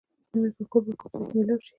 نوی پکول به کوم ځای مېلاو شي؟